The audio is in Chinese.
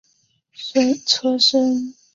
车身采用了铝合金双皮层构造。